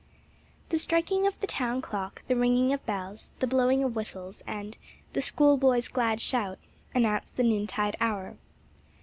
THE striking of the town clock, the ringing of bells, the blowing of whistles and "the schoolboy's glad shout" announced the noontide hour.